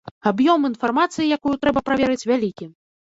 Аб'ём інфармацыі, якую трэба праверыць, вялікі.